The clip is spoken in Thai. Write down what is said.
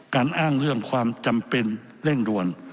อ้างเรื่องความจำเป็นเร่งด่วน